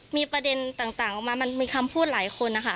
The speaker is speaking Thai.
มีประเด็นต่างออกมามันมีคำพูดหลายคนนะคะ